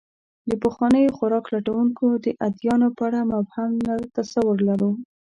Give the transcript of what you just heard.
د پخوانیو خوراک لټونکو د ادیانو په اړه مبهم تصور لرو.